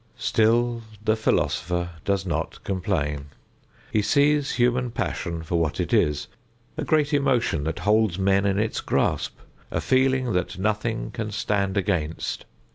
Still the philosopher does not complain. He sees human passion for what it is, a great emotion that holds men in its grasp, a feeling that nothing can stand against.